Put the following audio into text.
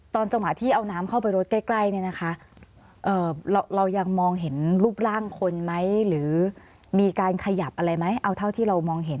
จังหวะที่เอาน้ำเข้าไปรถใกล้เนี่ยนะคะเรายังมองเห็นรูปร่างคนไหมหรือมีการขยับอะไรไหมเอาเท่าที่เรามองเห็น